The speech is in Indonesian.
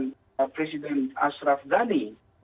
dan mereka mengatakan bahwa mereka tidak bisa dipercaya